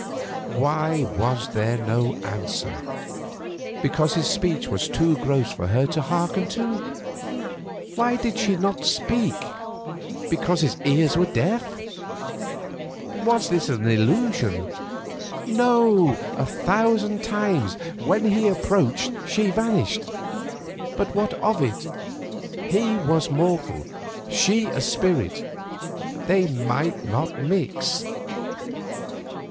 Why was there no answer? Because his speech was too gross for her to hearken to? Why did she not speak? Because his ears were deaf? Was this an illusion? No! a thousand times. When he approached she vanished, but what of it? He was mortal, she a spirit; they might not mix.